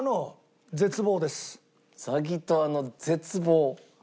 ザギトワの絶望？